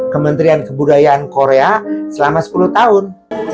kementerian kebudayaan korea selama sepuluh tahun